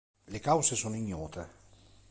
Le cause sono ignote.